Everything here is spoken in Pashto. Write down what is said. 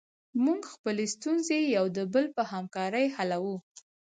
موږ خپلې ستونزې یو د بل په همکاري حلوو.